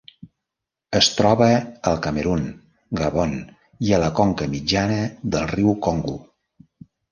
Es troba al Camerun, Gabon i a la conca mitjana del riu Congo.